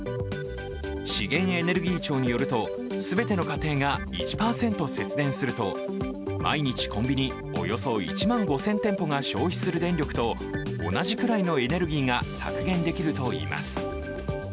資源エネルギー庁によると全ての家庭が１％節電すると毎日コンビニおよそ１万５０００店舗が消費する電力と同じくらいのエネルギーが削減できるといいます。